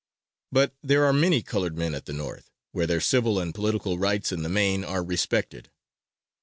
But there are many colored men at the North, where their civil and political rights in the main are respected.